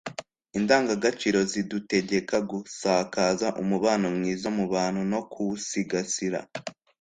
Indangagaciro Zidutegeka gusakaza umubano mwiza mu bantu no kuwusigasira.